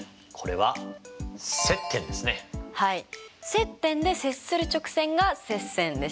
接点で接する直線が接線でしたね。